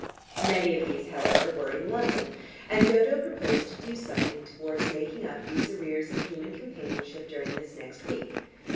Many of these, however, were in London, and Dodo proposed to do something towards making up these arrears of human companionship during this next week.